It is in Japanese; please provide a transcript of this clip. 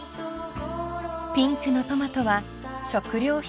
［ピンクのトマトは食料品店］